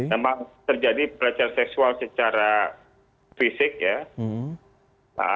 memang terjadi pelecehan seksual secara fisik ya